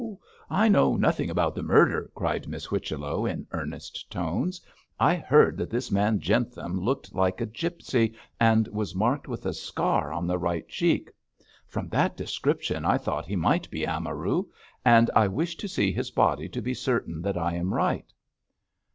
I know nothing about the murder!' cried Miss Whichello in earnest tones. 'I heard that this man Jentham looked like a gipsy and was marked with a scar on the right cheek. From that description I thought that he might be Amaru, and I wish to see his body to be certain that I am right.'